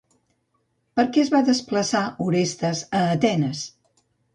Per què es va desplaçar Orestes a Atenes?